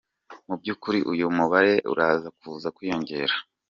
"Mu by'ukuri uyu mubare uraza kuza kwiyongera.